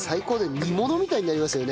煮物みたいになりますよね。